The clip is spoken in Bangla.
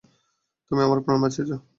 তুমি আমার প্রাণ বাঁচিয়েছ!